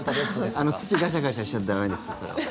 土ガシャガシャしちゃ駄目ですそれは。